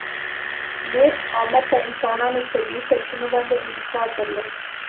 نېغ قامته انسانانو طبیعي سرچینو باندې انحصار درلود.